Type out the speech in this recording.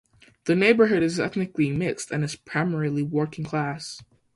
The neighborhood is ethnically mixed and is primarily working class.